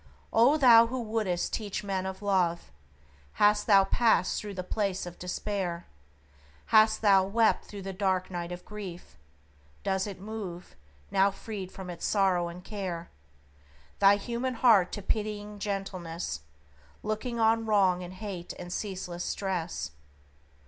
O thou who wouldst teach men of Love! Hast thou passed through the place of despair? Hast thou wept through the dark night of grief? does it move (Now freed from its sorrow and care) Thy human heart to pitying gentleness, Looking on wrong, and hate, and ceaseless stress?